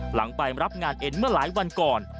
หลังไปรับงานเอ็นเมื่อหลายวันก่อน